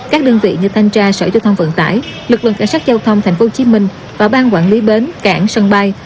các đơn vị như thanh tra sở giao thông vận tải lực lượng cảnh sát giao thông tp hcm và ban quản lý bến cảng sân bay